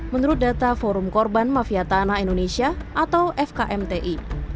menurut data forum korban mafia tanah indonesia atau fkmti